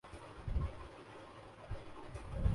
مجھے بھوک بہت کم لگتی ہے